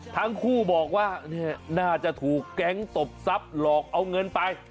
ทั้งคู่บอกว่าน่าจะถูกแก๊งตบทรัพย์หลอกเอาเงินไป